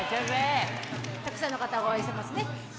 たくさんの方、応援してますね。